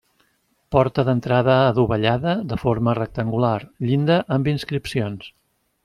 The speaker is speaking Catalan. Porta d'entrada adovellada, de forma rectangular; llinda amb inscripcions.